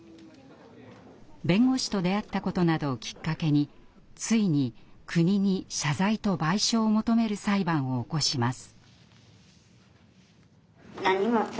弁護士と出会ったことなどをきっかけについに国に謝罪と賠償を求める裁判を起こします。